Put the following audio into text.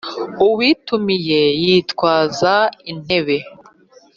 Uwitumiye yitwaza intebe.